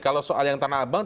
kalau soal yang tanah abang